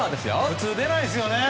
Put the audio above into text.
普通、出ないですよね。